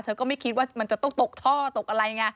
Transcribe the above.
ก็ไม่คิดว่ามันจะต้องตกท่อตกอะไรไง